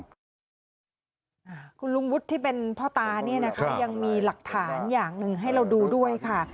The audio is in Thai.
คุณลุงวุฒิที่เป็นพ่อตาเนี่ยนะคะยังมีหลักฐานอย่างหนึ่งให้เราดูด้วยค่ะ